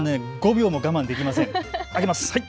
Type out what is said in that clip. ５秒も我慢できません。